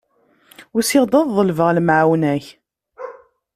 Usiɣ-d ad ḍelbeɣ lemεawna-k.